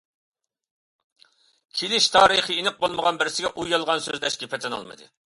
كېلىش تارىخى ئېنىق بولمىغان بىرسىگە ئۇ يالغان سۆزلەشكە پېتىنالمىدى!